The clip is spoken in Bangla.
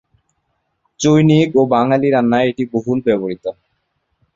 চৈনিক ও বাঙালি রান্নায় এটি বহুল ব্যবহৃত।